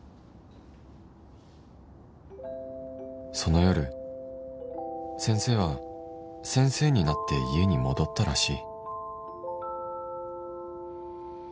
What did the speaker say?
その夜先生は先生になって家に戻ったらしい